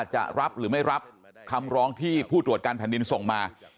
จะรับหรือไม่รับคำร้องที่ผู้ตรวจการแผ่นดินส่งมา